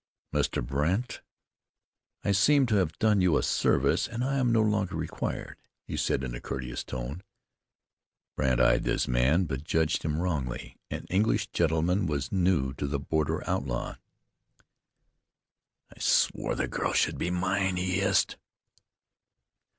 "Mr. Brandt, I seem to have done you a service, and am no longer required," he said in a courteous tone. Brandt eyed his man; but judged him wrongly. An English gentleman was new to the border outlaw. "I swore the girl should be mine," he hissed.